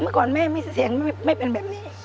ก่อนแม่มีเสียงไม่เป็นแบบนี้